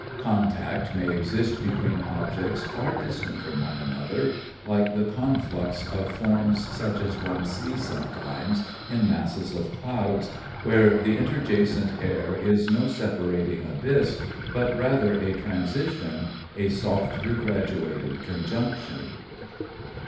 Contact may exist between objects far distant from one another, like the conflux of forms such as one sees sometimes in masses of clouds, where the interjacent air is no separating abyss, but rather a transition, a softly graduated conjunction.